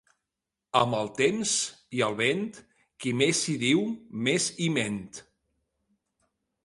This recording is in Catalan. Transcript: Amb el temps i el vent, qui més hi diu, més hi ment.